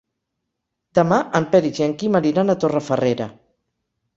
Demà en Peris i en Quim aniran a Torrefarrera.